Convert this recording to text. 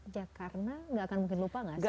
ya karena gak akan mungkin lupa gak